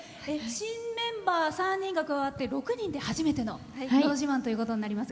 新メンバー３人が加わって６人で初めての「のど自慢」になります。